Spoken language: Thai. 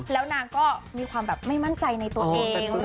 แล้วนางก็มีความแบบไม่มั่นใจในตัวเอง